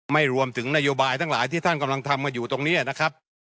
ไม่รวมถึงนโยบายทั้งหลายที่ท่านกำลังทำกันอยู่ตรงนี้นะครับ